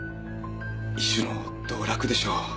一種の道楽でしょう。